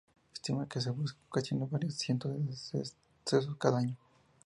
Estima que eso ocasiona varios cientos de decesos cada año.